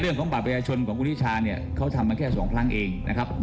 เรื่องของบัตรประชาชนของคุณธิชาเนี่ยเขาทำมาแค่สองครั้งเองนะครับ